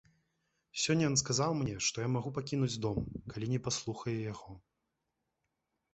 Сёння ён сказаў мне, што я магу пакінуць дом, калі не паслухаю яго.